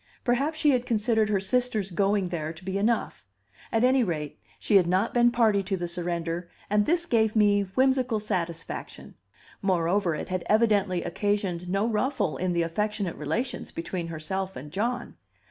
Perhaps she had considered her sister's going there to be enough; at any rate, she had not been party to the surrender, and this gave me whimsical satisfaction. Moreover, it had evidently occasioned no ruffle in the affectionate relations between herself and John.